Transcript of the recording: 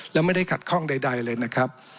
แล้วไม่ได้ขัดข้องใดเลยนะครับ